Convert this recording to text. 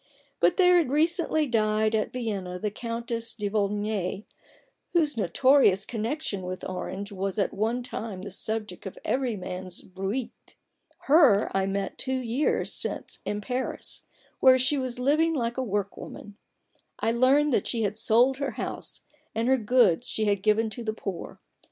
But there has recently died at Vienna the Countess de Volnay, whose notorious connection with Orange was at one time the subject of every man's bruit. Her I met two years since in Paris, where she was living like a work woman, I learned that she had sold her house, and her goods she had given to the poor.